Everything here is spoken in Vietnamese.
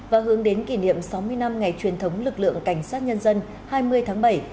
và hướng đến kỷ niệm sáu mươi năm ngày truyền thống lực lượng cảnh sát nhân dân hai mươi tháng bảy